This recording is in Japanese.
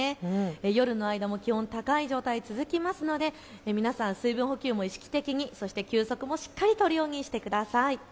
夜の間も気温が高い状態、続くので皆さん、水分補給も意識的に、そして休息もしっかり取るようにしてください。